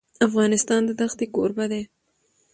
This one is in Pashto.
افغانستان د دښتې کوربه دی.